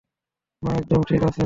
মা একদম ঠিক আছে।